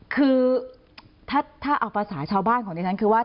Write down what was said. คือถ้าเอาภาษาชาวบ้านของดิฉันคือว่า